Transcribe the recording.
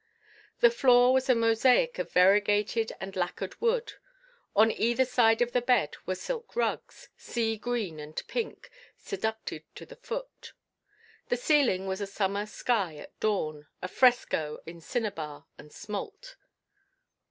The floor was a mosaic of variegated and lacquered wood. On either side of the bed were silk rugs, sea green and pink, seductive to the foot; the ceiling was a summer sky at dawn, a fresco in cinnabar and smalt.